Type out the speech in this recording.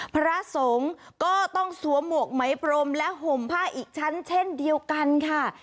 พระสงฆ์ก็ต้องสวมหมวกไหมพรมและห่มผ้าอีกชั้นเช่นเดียวกันค่ะ